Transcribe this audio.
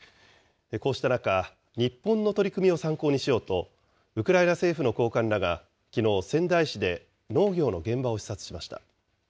こうした中、日本の取り組みを参考にしようと、ウクライナ政府の高官らがきのう、仙台市で農業の現場を視察しました。